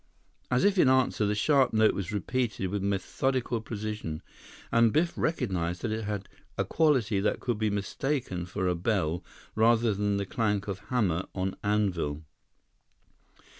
As if in answer, the sharp note was repeated with methodical precision, and Biff recognized that it had a quality that could be mistaken for a bell rather than the clank of hammer on anvil.